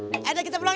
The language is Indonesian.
eh udah kita pulang ya